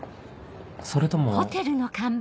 それとも